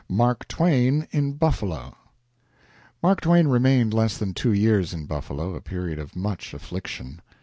MARK TWAIN IN BUFFALO Mark Twain remained less than two years in Buffalo a period of much affliction.